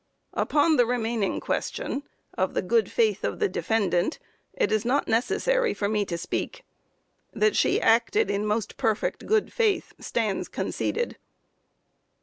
Upon the remaining question, of the good faith of the defendant, it is not necessary for me to speak. That she acted in the most perfect good faith stands conceded.